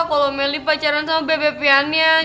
kalau meli pacaran sama bebe pianian